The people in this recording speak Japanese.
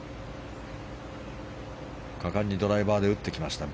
果敢にドライバーで打ってきました。